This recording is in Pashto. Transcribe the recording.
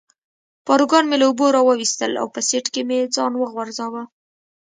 پاروګان مې له اوبو را وویستل او په سیټ کې مې ځان وغورځاوه.